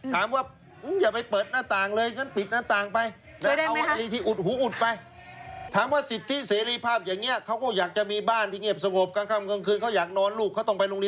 ถามว่าอย่าไปเปิดหน้าต่างเลยอย่างนั้นปิดหน้าต่างไป